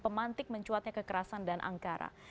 pemantik mencuatnya kekerasan dan angkara